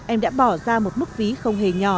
em đã bỏ ra một mức phí không hề nhỏ